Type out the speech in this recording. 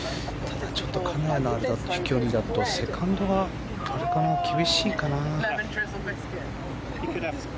ただ、ちょっと金谷の飛距離だとセカンドが厳しいかな。